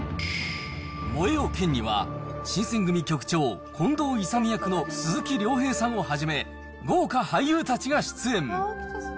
燃えよ剣には新選組局長、近藤勇役の鈴木亮平さんをはじめ、豪華俳優たちが出演。